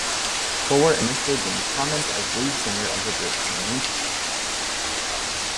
Polwart initially gained prominence as lead singer of the group Malinky.